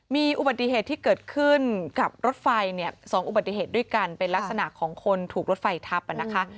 มีอุบัติเหตุที่เกิดขึ้นกับรถไฟเนี่ย๒อุบัติเหตุด้วยกันเป็นลักษณะของคนถูกรถไฟทับนะคะ